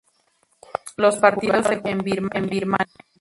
Los partidos se jugaron en Birmania.